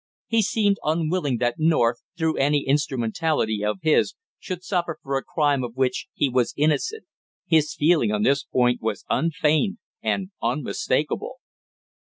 He seemed unwilling that North, through any instrumentality of his, should suffer for a crime of which he was innocent; his feeling on this point was unfeigned and unmistakable."